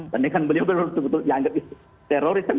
dan ini kan beliau beliau betul betul dianggap teroris